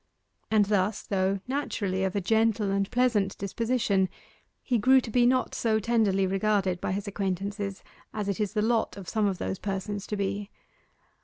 And thus, though naturally of a gentle and pleasant disposition, he grew to be not so tenderly regarded by his acquaintances as it is the lot of some of those persons to be.